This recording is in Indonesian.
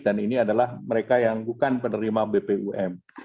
dan ini adalah mereka yang bukan penerima bpum